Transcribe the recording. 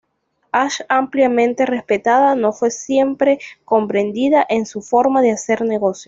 Ash ampliamente respetada, no fue siempre comprendida en su forma de hacer negocio.